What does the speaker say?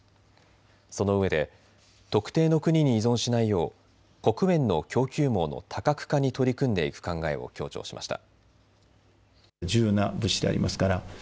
そのうえで特定の国に依存しないよう黒鉛の供給網の多角化に取り組んでいく考えを強調しました。